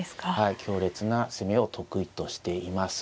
強烈な攻めを得意としています。